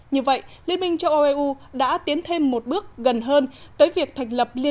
như vậy liên minh châu âu eu đã tiến thêm một bước gần hơn tới việc thành lập liên minh châu âu ec